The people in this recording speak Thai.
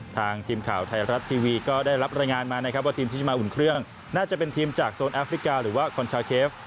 ทางทีมข่าวไทยรัฐทีวีก็ได้รับรายงานมานะครับว่าทีมที่จะมาอุ่นเครื่องน่าจะเป็นทีมจากโซนแอฟริกาหรือว่าคอนคาวเคฟ